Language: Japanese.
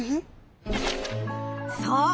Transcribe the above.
そう。